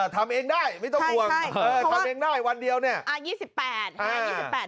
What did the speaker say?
ทำเองได้ไม่ต้องห่วงทำเองได้วันเดียวเนี่ย